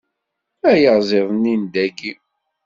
Ayaziḍ-nni n dayi?